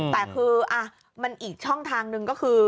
แต่คือมันอีกช่องทางหนึ่งก็คือ